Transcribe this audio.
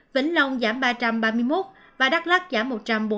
vĩnh long giảm ba trăm ba mươi một và đắk lắc giảm một trăm bốn mươi